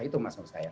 itu mas menurut saya